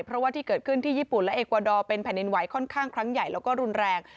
เพราะว่าที่เกิดขึ้นที่ญี่ปุ่นและเอกวาดอร์เป็นแผ่นดินไหวค่อนข้างครั้งใหญ่แล้วก็รุนแรง